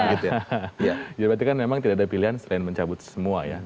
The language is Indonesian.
berarti kan memang tidak ada pilihan selain mencabut semua ya